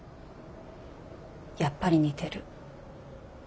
やっぱり似てる。